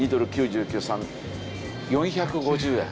４５０円。